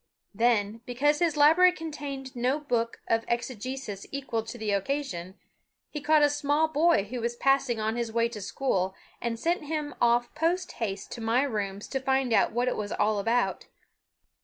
Then, because his library contained no book of exegesis equal to the occasion, he caught a small boy who was passing on his way to school and sent him off post haste to my rooms to find out what it was all about.